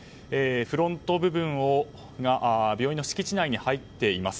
フロント部分が病院の敷地内に入っています。